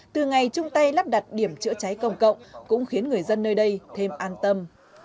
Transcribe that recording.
từ ngày chung tay lắp đặt điểm chữa cháy công cộng cũng khiến người dân nơi đây thêm an tâm